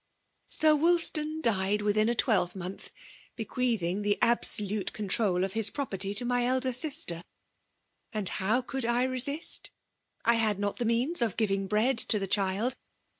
*'' Sir Wohitan died within a twehreaoslh, hequeathfflg the absolute eonUrol of his pio ]ierty to my elder sister; and how could I resist? I had not the means of giving bread to the child.